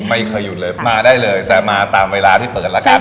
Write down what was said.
ไม่เคยหยุดเลยมาได้เลยแต่มาตามเวลาที่เปิดแล้วกัน